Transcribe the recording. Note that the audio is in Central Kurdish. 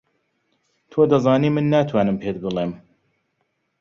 تۆ دەزانی من ناتوانم پێت بڵێم.